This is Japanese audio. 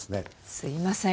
すいません